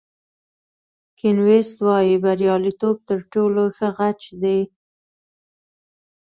کین ویست وایي بریالیتوب تر ټولو ښه غچ دی.